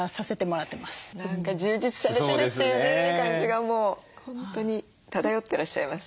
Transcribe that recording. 何か充実されてるっていうね感じがもう本当に漂ってらっしゃいます。